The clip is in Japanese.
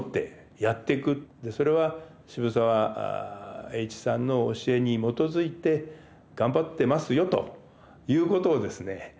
それは渋沢栄一さんの教えに基づいて頑張ってますよということをですね